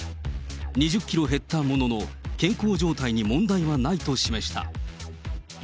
２０キロ減ったものの、健康状態に問題はないと示した。